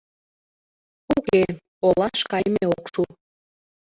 Уке, олаш кайме ок шу.